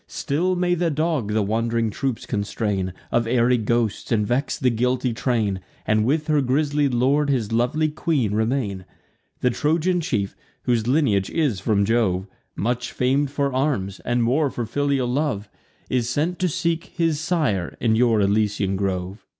Still may the dog the wand'ring troops constrain Of airy ghosts, and vex the guilty train, And with her grisly lord his lovely queen remain. The Trojan chief, whose lineage is from Jove, Much fam'd for arms, and more for filial love, Is sent to seek his sire in your Elysian grove.